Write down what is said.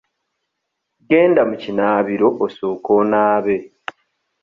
Genda mu kinaabiro osooke onaabe.